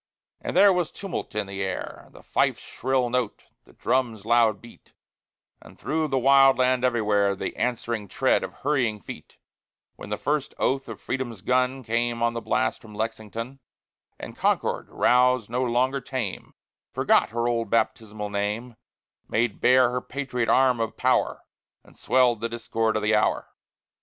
And there was tumult in the air, The fife's shrill note, the drum's loud beat, And through the wild land everywhere The answering tread of hurrying feet, While the first oath of Freedom's gun Came on the blast from Lexington; And Concord, roused, no longer tame, Forgot her old baptismal name, Made bare her patriot arm of power, And swell'd the discord of the hour.